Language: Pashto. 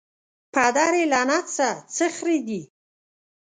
پدر یې لعنت سه څه خره دي